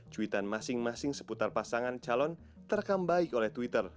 cuitan masing masing seputar pasangan calon terekam baik oleh twitter